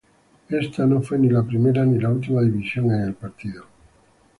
Esta no fue ni la primera ni la última división en el partido.